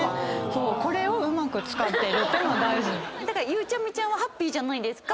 ゆうちゃみちゃんはハッピーじゃないですか。